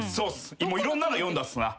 いろんなの読んだっすな。